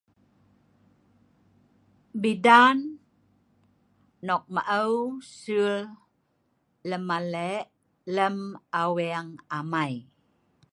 Bidan nok ma’au sul lem malek lem aweng amei